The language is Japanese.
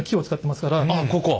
あっここ？